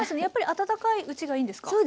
やっぱり温かいうちがいいんですか？